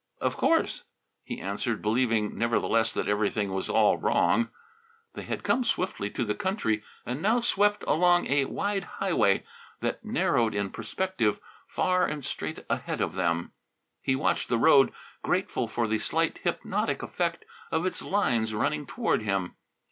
"Of course," he answered, believing nevertheless that everything was all wrong. They had come swiftly to the country and now swept along a wide highway that narrowed in perspective far and straight ahead of them. He watched the road, grateful for the slight hypnotic effect of its lines running toward him.